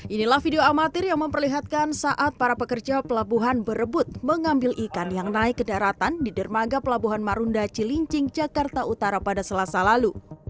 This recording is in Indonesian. inilah video amatir yang memperlihatkan saat para pekerja pelabuhan berebut mengambil ikan yang naik ke daratan di dermaga pelabuhan marunda cilincing jakarta utara pada selasa lalu